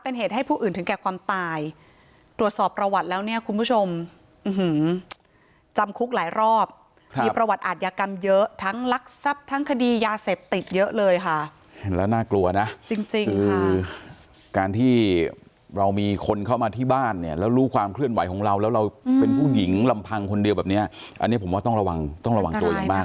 เป็นเหตุให้ผู้อื่นถึงแก่ความตายตรวจสอบประวัติแล้วเนี่ยคุณผู้ชมจำคุกหลายรอบมีประวัติอาทยากรรมเยอะทั้งลักทรัพย์ทั้งคดียาเสพติดเยอะเลยค่ะเห็นแล้วน่ากลัวนะจริงจริงคือการที่เรามีคนเข้ามาที่บ้านเนี่ยแล้วรู้ความเคลื่อนไหวของเราแล้วเราเป็นผู้หญิงลำพังคนเดียวแบบเนี้ยอันนี้ผมว่าต้องระวังต้องระวังตัวอย่างมาก